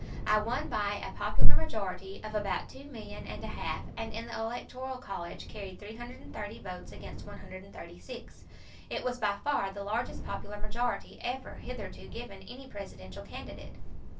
I won by a popular majority of about two million and a half, and in the electoral college carried 330 votes against 136. It was by far the largest popular majority ever hitherto given any Presidential candidate.